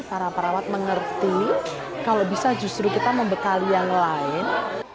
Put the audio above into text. para perawat mengerti kalau bisa justru kita membekali yang lain